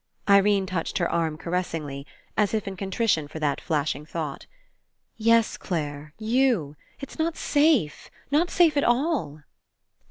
/ Irene touched her arm caressingly, as if in contrition for that flashing thought. "Yes, Clare, you. It's not safe. Not safe at all."